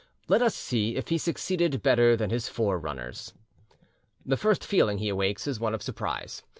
Let us see if he succeeded better than his forerunners. The first feeling he awakes is one of surprise.